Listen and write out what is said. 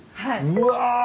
うわ。